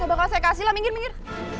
bakal saya kasih lah minggir minggir